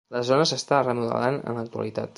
La zona s'està remodelant en l'actualitat.